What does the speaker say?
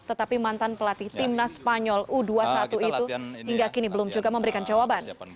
tetapi mantan pelatih timnas spanyol u dua puluh satu itu hingga kini belum juga memberikan jawaban